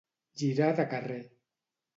Girar de carrer.